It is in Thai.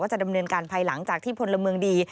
จะดำเนินการภายหลังจากที่พลเมืองดี